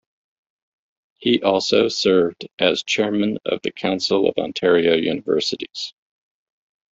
He also served as Chairman of the Council of Ontario Universities.